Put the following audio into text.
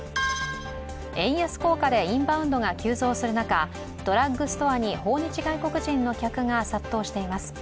円安効果でインバウンドが急増する中、ドラッグストアに訪日外国人の客が殺到しています。